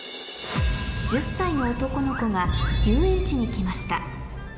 １０歳の男の子が遊園地に来ました